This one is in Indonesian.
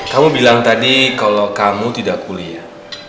kamu bilang tadi kalau kamu tidak kuliah